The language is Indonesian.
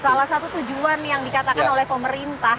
karena salah satu tujuan yang dikatakan oleh pemerintah